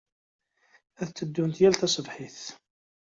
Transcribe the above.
Ad tteddunt yal taṣebḥit.